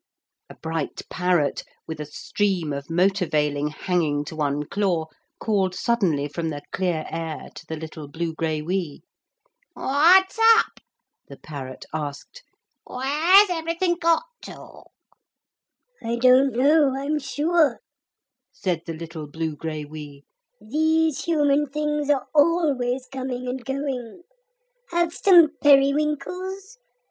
A bright parrot, with a streamer of motor veiling hanging to one claw, called suddenly from the clear air to the little blugraiwee. 'What's up?' the parrot asked; 'where's everything got to?' 'I don't know, I'm sure,' said the little blugraiwee; 'these human things are always coming and going. Have some periwinkles?